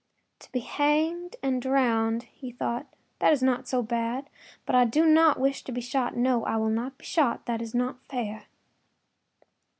“To be hanged and drowned,” he thought, “that is not so bad; but I do not wish to be shot. No; I will not be shot; that is not fair.